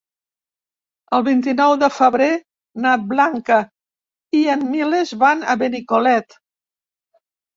El vint-i-nou de febrer na Blanca i en Milos van a Benicolet.